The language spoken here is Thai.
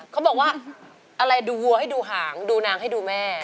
เขาบอกว่าอะไรดูวัวให้ดูหางดูนางให้ดูแม่